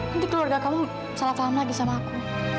nanti keluarga kamu salah paham lagi sama aku